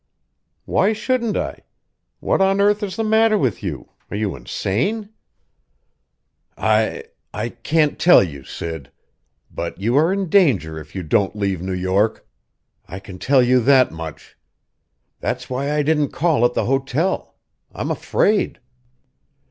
"Why shouldn't I? What on earth is the matter with you? Are you insane?" "I I can't tell you, Sid. But you are in danger if you don't leave New York. I can tell you that much. That's why I didn't call at the hotel; I'm afraid.